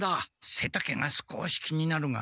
せたけが少し気になるが。